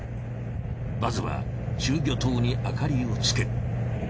まずは集魚灯に明かりをつける。